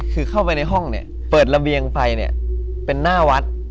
คือเข้าไปในห้องเนี่ยเปิดระเบียงไปเนี่ยเป็นหน้าวัด